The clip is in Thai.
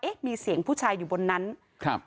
มีเสียงผู้ชายอยู่บนนั้นครับ